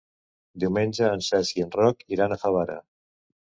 Diumenge en Cesc i en Roc iran a Favara.